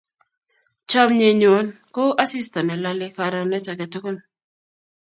Chomye nyon kou asista ne lalei karonet ake tukul